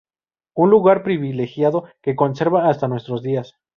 Un lugar privilegiado que conserva hasta nuestro días.